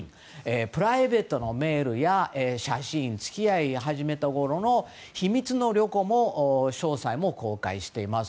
プライベートのメールや写真付き合い始めたころの秘密の旅行の詳細も公開しています。